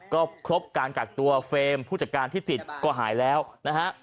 ก็ครบการกักตัวเฟรมผู้จัดการที่ติดก็หายแล้วนะฮะ